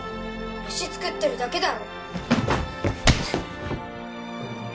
飯作ってるだけだろ